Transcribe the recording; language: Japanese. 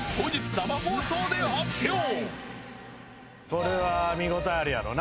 これは見応えあるやろな。